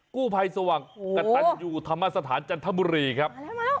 กู้ภัยสว่างก็ตัดอยู่ธธธาฯทหารจันทบุรีครับ